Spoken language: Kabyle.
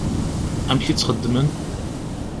Amek i tt-xeddmen?